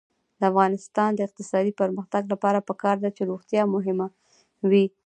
د افغانستان د اقتصادي پرمختګ لپاره پکار ده چې روغتیا مهمه وي.